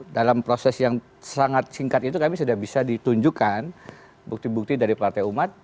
dalam proses yang sangat singkat itu kami sudah bisa ditunjukkan bukti bukti dari partai umat